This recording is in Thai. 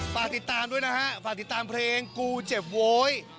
ฝากติดตามด้วยนะฮะฝากติดตามเพลงกูเจ็บโวย